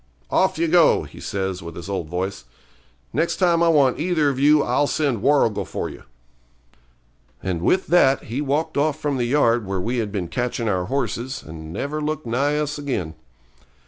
'Off you go,' he says, with his old voice. 'Next time I want either of you I'll send Warrigal for you.' And with that he walked off from the yard where we had been catching our horses, and never looked nigh us again.